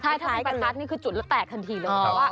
ประทับนี่คือจุดแล้วแตกทันทีเลย